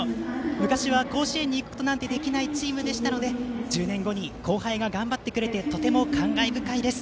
昔は甲子園に行くことなんてできないチームでしたので１０年後に後輩が頑張ってくれてとても感慨深いです。